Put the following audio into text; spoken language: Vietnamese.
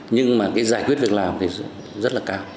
nhưng mà cái giải quyết việc làm thì rất là cao